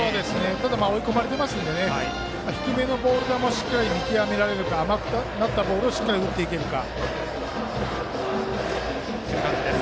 ただ追い込まれてますので低めのボール球をしっかり見極められるか甘くなったボールをしっかり打っていけるか。